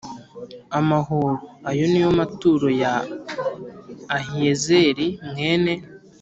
amahoro Ayo ni yo maturo ya Ahiyezeri mwene